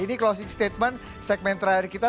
ini closing statement segmen terakhir kita